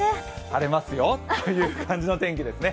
晴れますよ、という感じの天気ですね。